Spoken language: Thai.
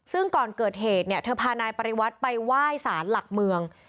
ซึ่งก่อนเกิดเหตุเนี่ยเธอพานายปริวัติไปไหว้สารหลักเมือง